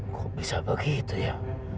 kok bisa begitu ya